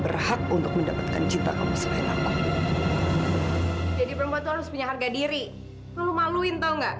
sampai jumpa di video selanjutnya